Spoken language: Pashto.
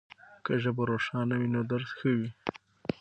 که ژبه روښانه وي نو درس ښه وي.